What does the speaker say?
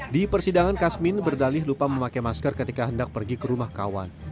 di persidangan kasmin berdalih lupa memakai masker ketika hendak pergi ke rumah kawan